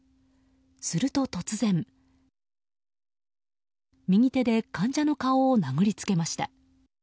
すると、突然右手で患者の顔を殴りつけました。